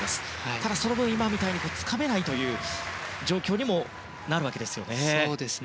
ただ、その分今みたいにつかめないという状況にもなるわけですね。